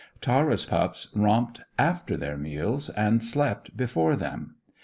Tara's pups romped after their meals, and slept before them.